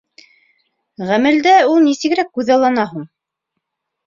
Ғәмәлдә ул нисегерәк күҙаллана һуң?